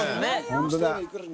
本当だ。